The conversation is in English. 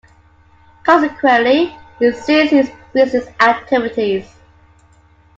Consequently, he ceased his business activities.